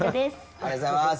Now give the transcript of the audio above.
ありがとうございます。